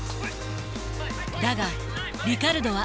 だがリカルドは。